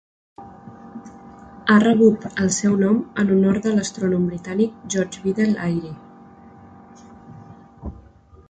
Ha rebut el seu nom en honor de l'astrònom britànic George Biddell Airy.